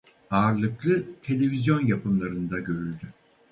Ağırlıklı televizyon yapımlarında görüldü.